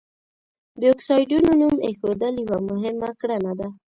د اکسایډونو نوم ایښودل یوه مهمه کړنه ده.